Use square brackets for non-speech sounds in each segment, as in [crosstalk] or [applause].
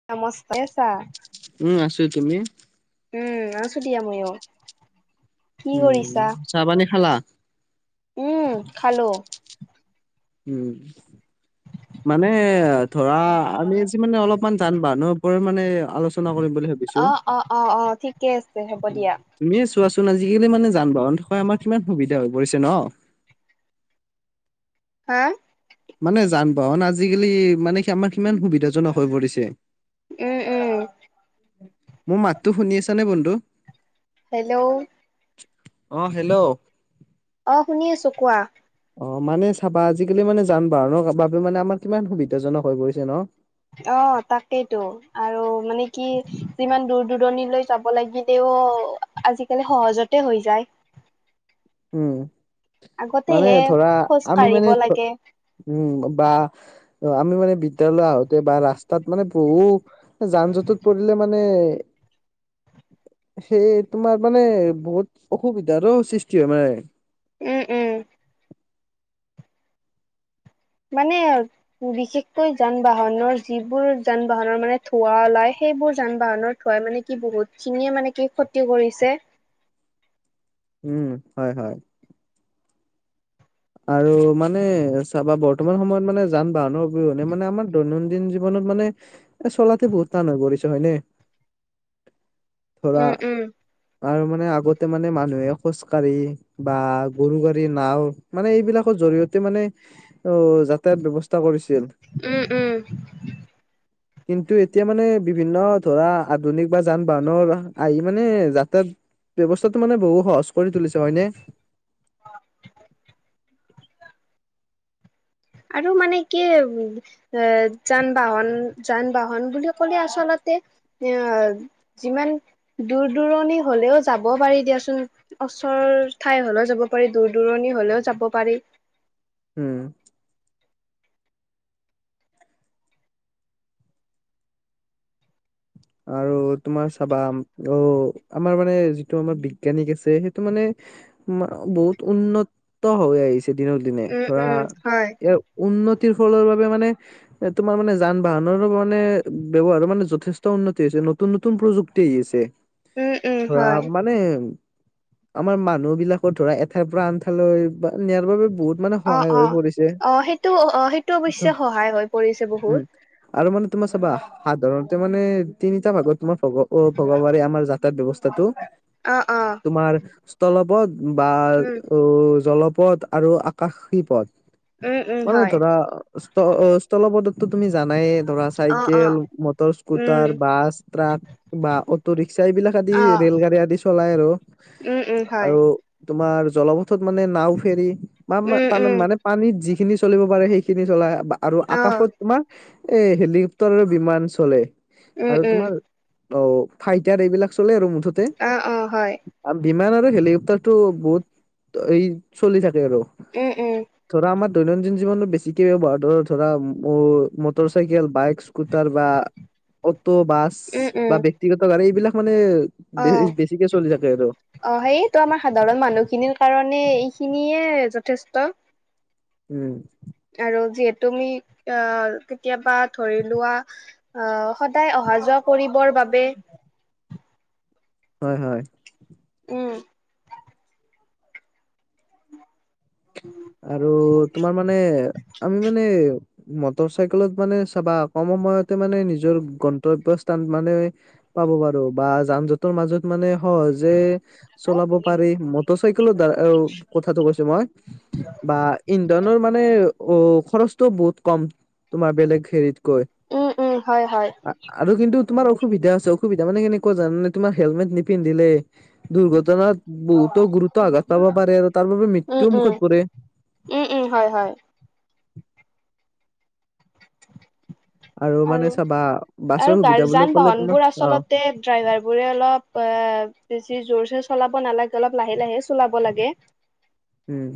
[unintelligible] উম, আছো তুমি? উম, আছো দিয়া ময়ো, কি উম কৰিছা? চাহ পানী খালা উম, খালো। উম। [inaudible] মানে ধৰা আমি আজি মানে অলপমান যান-বাহনৰ ওপৰত মানে আলোচনা কৰিম বুলি ভাবিছোঁ। অ অ', অ', অ', ঠিকে আছে হ'ব দিয়া। তুমিয়ে চোৱাচোন আজিকালি মানে যান-বাহন থকা আমাৰ কিমান সুবিধা হৈ পৰিছে ন'। হা? মানে যান-বাহন আজিকালি মানে কি আমাৰ কিমান সুবিধাজনক হৈ পৰিছে। উম, উম। মোৰ মাততো শুনি আছ নে বন্ধু? হেল্ল'? অ', হেল্ল'? অ', শুনি আছো কোৱা? অ', মানে চাবা আজিকালি মানে যান-বাহনৰ বাবে মানে আমাৰ কিমান সুবিধাজনক হৈ পৰিছে, ন'! অ', তাকেইটো। আৰু মানে কি যিমান দূৰ দূৰণিলৈ যাব লাগিলও। আজিকালি সহজতে হৈ যায়। উম, মানে আগতেহে ধৰা খোজ আমি কাঢ়িব মানে লাগে উম, বা অ', আমি মানে বিদ্যলয় আহোঁতে বা ৰাস্তা ত মানে বহু যান জঁটত পৰিলে মানে সেই তোমাৰ মানে বহুত অসুবিধাৰো সৃষ্টি হয় মানে। উম, উম। মানে অ বিশেষকৈ যান বাহনৰ যিবোৰ যান বাহনৰ মানে ধৱা ওলাই সেইবোৰ যান বাহনৰ। থই মানে কি বহুত খিনিয়ে মানে কি ক্ষতি কৰিছে। উম হয় হয়। আৰু মানে চাবা বৰ্তমান সময়ত মানে যান বাহনৰ অবিহনে মানে আমাৰ দৈনন্দিন জী ৱনত মানে এ চলাতে বহুত টান হৈ পৰিছে হয়নে। ধৰা। উম উম আৰু মানে আগতে মানে মানুহে খোজকাঢ়ি বা গৰু, গাড়ী নাওঁ। মানে এইবিলাকৰ জৰিয়তে মানে অ যাতায়ত ব্যৱস্থা কৰিছিল। উম উম, কিন্তু এতিয়া মানে বিভিন্ন ধৰা আধুনিক বা যান বাহনৰ আহি মানে যাতায়ত, ব্যৱস্থাটো মানে বহু সহজ কৰি তুলিছে হয়নে। হয়। [inaudible] আৰু মানে কি এ যান বাহন যান বাহন বুলি ক'লে আচলতে এ যিমান। দূৰ দূৰণি হলেও যাব পাৰি দিয়াচোন। অচৰ ঠাই হলেও যাব পাৰি দূৰ দূৰণি হলেও যাব পাৰি। উম, আৰু তোমাৰ চাবা অ আমাৰ মানে যিটো আমাৰ বিজ্ঞানিক আছে সেইটো মানে। মা বহুত উন্নত হৈ আহিছে দিনক দিনে উম ধৰা। উম হয়। ইয়াৰ উন্নতিৰ ফলৰ বাবে মানে তোমাৰ মানে যান বাহনৰো মানে ব্যৱহাৰো মানে যথেছ। ট উন্নতি হৈছে নতুন নতুন প্ৰযুক্তিছে উম উম ধৰা হয় মানে। আমাৰ মানুহ বিলাকো ধৰা এঠাইৰ পৰা আনঠাইলৈ বা নিয়াৰ বাবে। বহুত মানে অ সহায় অ হৈ পৰিছে অ সেইটো অ সেইটো ত' অৱশ্যে সহায় হৈ পৰিছে উম বহুত। আৰু মানে তোমাৰ চাবা সাধাৰণতে মানে তিনিটা ভাগত তোমাৰ ভগ অ ভগবাৰে আমাৰ যাতায়াত ব্যৱস্থাটো অ', অ', তোমাৰ স্থলপদ, বা উম, অ জলপথ, আৰু আকাশী পথ, উম, উম, মানে হয়, ধৰা স্ত স্থলপদতো তুমি জানাই। ধৰা অ', চাইকেল অ', মটৰছ। উম, স্কুটাৰ বাছ ট্ৰাক বা অটো ৰিক্সা, এইবিলাক আদি অ', ৰেল, গাড়ী আদি চলাই আৰু উম, উম, হয়, আৰু তোমাৰ জলপথত, মানে নাওফেৰি মাম উম, তাম উম, মানে পানীত যিখিনি চলিব পাৰে সেইখিনি চলাই আপ আৰু অ', আকাশত, তোমাৰ এ হেলিকপ্তাৰ, বিমান চলে উম, আৰু উম, তোমাৰ অ ফাইটাৰ এইবিলাক চলে আৰু মুঠত অ অ হয়। আ বিমান আৰু হেলিকপ্তাৰ টো বহুত এই চলি থাকে। আৰু উম উম ধৰা আমাৰ দৈনন্দিন জীৱনত বেছিকে ব্যৱহাৰ ধৰ ধৰা মু মটৰ চাইকেল বাইক স্কুটাৰ বা। অটো বাছ উম, বা উম, ব্যক্তিগত গাড়ী এইবিলাক মানে বে অ', বেছিকে চলি থাকে আৰু অ সেইটো আমাৰ সাধাৰণ মানুহখিনিৰ কাৰণে এইখিনিয়ে যথেষ্ট। উম, আৰু যিহে তুমি আহ কেতিয়াবা ধৰি লোৱা। অ সদায় অহা যোৱা কৰিবৰ বাবে। হয় হয়। উম, আৰু তোমাৰ মানে আমি মানে মটৰ চাইকেলত মানে চাবা। কম সময়তে মানে নিজৰ গন্তব্য স্থা ন মানে পাব পাৰো বা যান জঁটৰ মাজত মানে সহজে চলাব পাৰি, মটৰ চাইকেলৰ দ্বাৰা কথাটো কৈছো মই। বা ইন্ধনৰ মানে অ খৰচটো বহুত কম তোমাৰ বেলেগ হেৰিতকৈ। উম উম হয় হয়। আৰু কিন্তু তোমাৰ অসুবিধা আছে অসুবিধা মানে কেনেকুৱা জানে তোমাৰ হেলমেট নিপিন্ধিলে, দুৰ্ঘটনাত বহুতো গুৰুত্ব আঘাত পাব পাৰে আৰু তাৰ বাবোবে উম, মৃত্যু উম, মুখত পৰে। উম উম হয় হয়। মানে আৰু, চাবা আৰু বাছৰ যা সুবিধা বুলি যান ক'লে বাহন তোমাৰ বোৰ অ আচলতে ড্ৰাইভাৰ বোৰে অলপ অ বেছি যোৰচে চলাব নালাগে, অলপ লাহে লাহে চলাব লাগে। উম।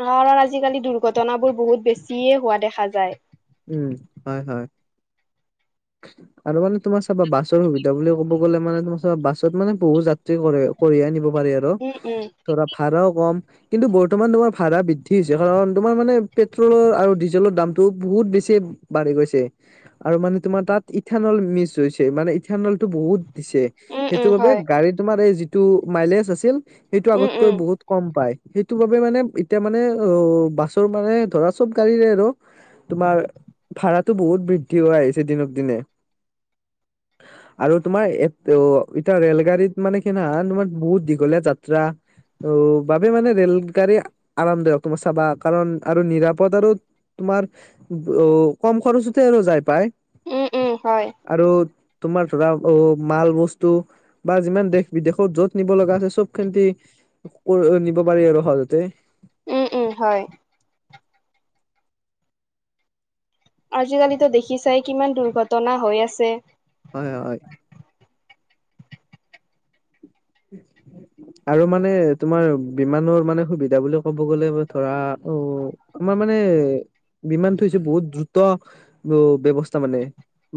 কাৰণ আজিকালি দুৰ্ঘটনাবোৰ বহুত বেছিয়ে হোৱা দেখা যায়। উম হয় হয়, আৰু মানে তোমাৰ চাবা বাছৰ সুবিধা বুলি ক' ব গলে মানে তোমা বাছত মানে বহুত যাত্ৰী কঢ়িয়াই নিব পাৰি আৰু উম উম ধৰা ভাড়াও কম। কিন্তু বৰ্তমান তোমাৰ ভাড়া বৃদ্ধি হৈছে, কাৰণ তোমাৰ মানে পেট্ৰলৰ আৰু ডিজেলৰ দামটো বহুত বেছি বাঢ়ি গৈছে। আৰু মানে তোমাৰ তাত ইথানল মিচ হৈছে মানে ইথানলটো বহুত দিছে। উম উম সেইটো বাবে হয় গাড়ী তোমাৰ এই যিটো মাইলেজ আছিল, সেইটো উম আগতকৈ উম বহুত কম পায়। সেইটো বাবে মানে এতিয়া মানে অ বাছৰ মানে ধৰা চব গাড়ীৰে আৰু তোমাৰ, ভাঢ়াতো বহুত বৃদ্ধি হৈ আহিছে দিনক দিনে। [inaudible] আৰু তোমাৰ এ এতিয়া ৰেলগাড়ীত মানে কি নহ তোমাৰ বহুত দীঘলীয়া যাত্ৰা অ বাবে মানে ৰেলগাড়ী আৰামদায়ক তোমাৰ চাবা, কাৰণ আৰু নিৰাপদ আৰু তোমাৰ অ কম খৰচতে আৰু যাই পায়। উম উম হয় আৰু তোমাৰ ধৰা অ মালবস্তু। বা যিমান দেশ বিদেশত য'ত নিব লগা আছে চব খিনতে নিব পাৰি আৰু সহজতে। উম উম হয়। আজিকালিতো দেখিছাই কিমান দুৰ্ঘটনা হৈ আছে। হয় হয়। [unintelligible] আৰু মানে তোমাৰ বিমানৰ মানে সুবিধা বুলি ক'ব গ'লে ধৰা অ আমাৰ মানে বিমানটো হৈছে বহুত দ্ৰুত উ ব্যৱস্থা মানে।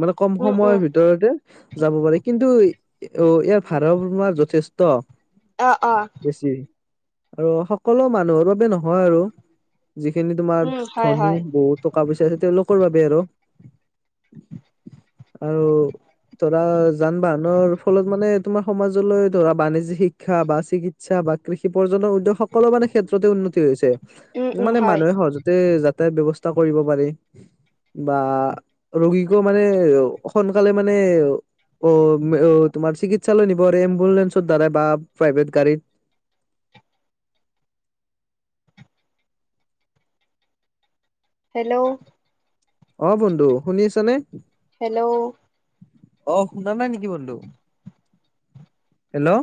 মানে কম উম উম সময়ৰ ভিতৰতে যাব পাৰে, কিন্তু অ ইয়াৰ ভাড়া তোমাৰ য থেষ্ট। অ অঁ। বেছি আৰু সকলো মানুহৰ বাবে নহয় আৰু। যিখিনি তোমাৰ উম হয় ধনী হয় বহুত টকা পইচা আছে তেওঁলোকৰ বাবে আৰু। আৰু ধৰা যান বাহনৰ ফলত মানে তোমাৰ সমাজলৈ ধৰা বাণিজ্যিক শিক্ষা বা চিকিৎসা বা কৃষি প্ৰজনৰ উদ্যোগ সকলো মানে ক্ষেত্ৰতে উন্নতি হৈছে। উম উম মানে হয় মানুহে সহজতে যাতায়ত ব্যৱস্থা কৰিব পাৰি বা ৰোগীকো মানে সোনকালে মানে অ তোমাৰ চিকিৎসালয় নিবৰে এম্বুলেন্ঞ্চৰ দ্বাৰা বা প্ৰাইভেট গাড়ীত। হেল্ল'। অ বন্ধু শুনি আছা নে। হেল্ল'। অ শুনা নাই নেকি বন্ধু হেল্ল'?